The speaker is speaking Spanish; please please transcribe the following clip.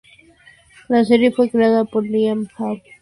La serie fue creada por Lim Hwa-min.